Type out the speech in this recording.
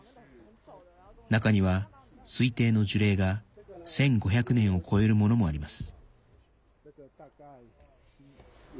中には、推定の樹齢が１５００年を超えるものもあります。